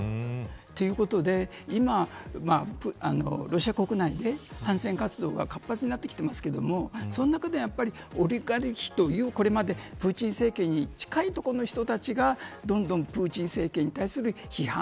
ということで、今ロシア国内で反戦活動が活発になってきてますけどその中で、オリガルヒというこれまで、プーチン政権に近いところの人たちがどんどんプーチン政権に対する批判。